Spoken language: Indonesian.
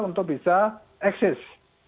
untuk bisa eksis